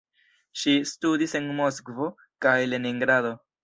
Ŝi studis en Moskvo kaj Leningrado.